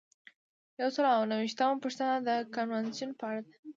یو سل او نهه ویشتمه پوښتنه د کنوانسیون په اړه ده.